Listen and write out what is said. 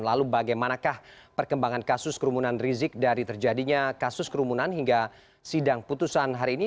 lalu bagaimanakah perkembangan kasus kerumunan rizik dari terjadinya kasus kerumunan hingga sidang putusan hari ini